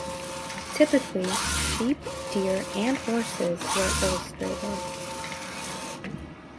Typically, sheep, deer, and horses were illustrated.